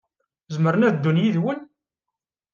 Zemren ad ddun yid-wen?